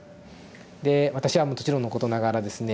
で私はもちろんのことながらですね